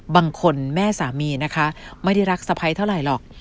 แม่สามีนะคะไม่ได้รักสะพ้ายเท่าไหร่หรอก